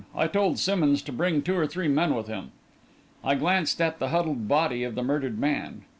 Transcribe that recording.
I told Simmonds to bring two or three men with him." I glanced at the huddled body of the murdered man.